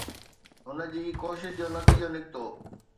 هن جي ڪوششن جو نتيجو نڪتو.